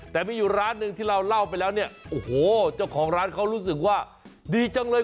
แต่มีอยู่ร้านหนึ่งที่เราเล่าไปแล้วเนี่ยโอ้โหเจ้าของร้านเขารู้สึกว่าดีจังเลย